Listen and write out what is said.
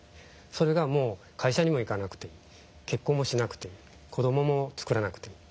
それがもう会社にも行かなくていい結婚もしなくていい子供もつくらなくていい。